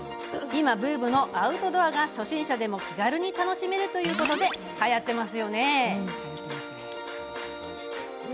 今ブームのアウトドアが初心者でも気軽に楽しめるということではやってますよね。